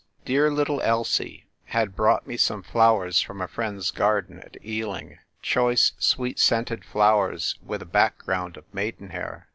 Dear little Elsie had brought me some flowers from a friend's garden at Ealing, choice sweet scented flowers, with a back ground of maidenhair.